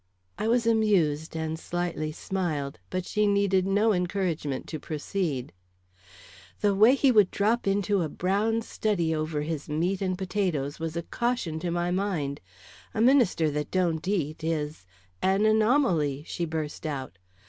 I was amused and slightly smiled, but she needed no encouragement to proceed. "The way he would drop into a brown study over his meat and potatoes was a caution to my mind. A minister that don't eat is an anomaly," she burst out.